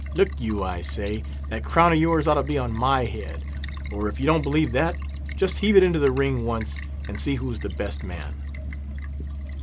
Look you, I say, that crown of yours ought to be on my head; or, if you don't believe that, just heave it into the ring once, and see who's the best man."